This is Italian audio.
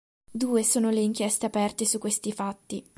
Due sono le inchieste aperte su questi fatti.